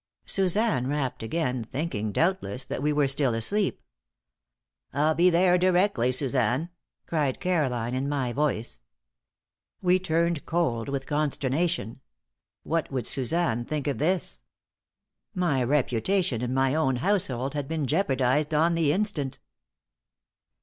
Suzanne rapped again, thinking, doubtless, that we were still asleep. "I'll be there directly, Suzanne," cried Caroline, in my voice. We turned cold with consternation. What would Suzanne think of this? My reputation in my own household had been jeopardized on the instant.